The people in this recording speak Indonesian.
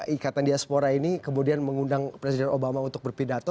ikatan diaspora ini kemudian mengundang presiden obama untuk berpidato